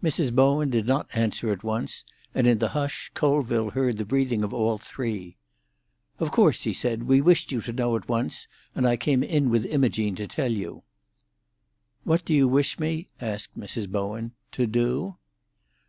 Mrs. Bowen did not answer at once, and in the hush Colville heard the breathing of all three. "Of course," he said, "we wished you to know at once, and I came in with Imogene to tell you." "What do you wish me," asked Mrs. Bowen, "to do?"